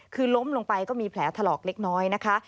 คือล้มลงไปก็มีแผลถลอกเล็กน้อยนะคะ